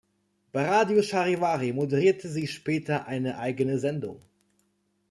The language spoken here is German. Bei Radio Charivari moderierte sie später eine eigene Sendung.